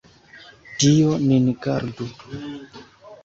Dio nin gardu!